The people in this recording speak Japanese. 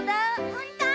ほんとう？